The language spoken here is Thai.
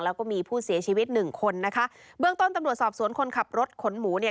แล้วก็มีผู้เสียชีวิตหนึ่งคนนะคะเบื้องต้นตำรวจสอบสวนคนขับรถขนหมูเนี่ย